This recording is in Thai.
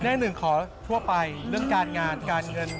หนึ่งขอทั่วไปเรื่องการงานการเงิน